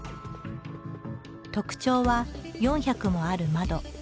特徴は４００もある窓。